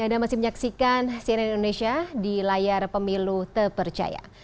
anda masih menyaksikan cnn indonesia di layar pemilu terpercaya